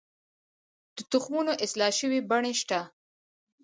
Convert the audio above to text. د تخمونو اصلاح شوې بڼې شته؟